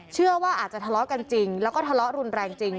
เชื่อว่าอาจจะทะเลาะกันจริงแล้วก็ทะเลาะรุนแรงจริง